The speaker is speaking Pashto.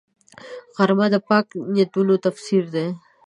غرمه د پاک نیتونو تفسیر دی